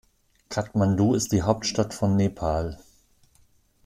Kathmandu ist die Hauptstadt von Nepal.